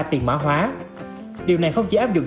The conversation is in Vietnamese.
tiền mã hóa điều này không chỉ áp dụng